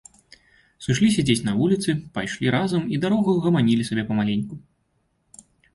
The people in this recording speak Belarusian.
Сышліся дзесь па вуліцы, пайшлі разам і дарогаю гаманілі сабе памаленьку.